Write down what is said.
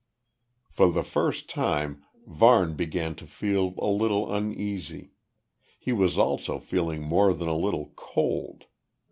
For the first time Varne began to feel a little uneasy. He was also feeling more than a little cold.